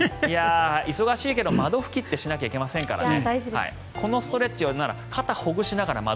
忙しいけど窓拭きってしなきゃいけませんからね。